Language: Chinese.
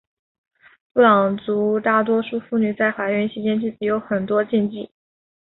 布朗族大多数妇女在怀孕期间有很多禁忌。